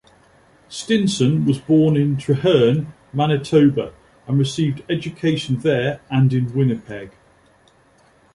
Stinson was born in Treherne, Manitoba, and received education there and in Winnipeg.